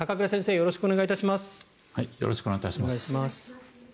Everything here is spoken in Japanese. よろしくお願いします。